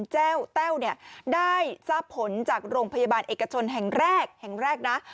เจ้าเต้าได้ทราบผลจากโรงพยาบาลเอกชนแห่งแรก